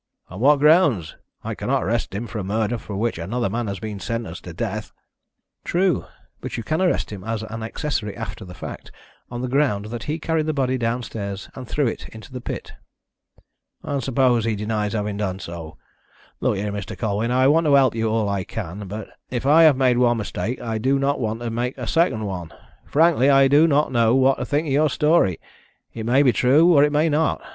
"On what grounds? I cannot arrest him for a murder for which another man has been sentenced to death." "True. But you can arrest him as accessory after the fact, on the ground that he carried the body downstairs and threw it into the pit." "And suppose he denies having done so? Look here, Mr. Colwyn, I want to help you all I can, but if I have made one mistake, I do not want to make a second one. Frankly, I do not know what to think of your story. It may be true, or it may not.